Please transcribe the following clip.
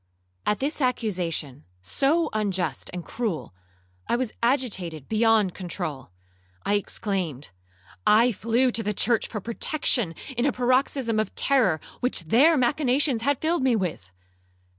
At this accusation, so unjust and cruel, I was agitated beyond controul. I exclaimed, 'I flew to the church for protection in a paroxysm of terror, which their machinations had filled me with!